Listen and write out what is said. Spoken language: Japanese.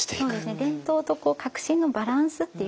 伝統と革新のバランスっていう。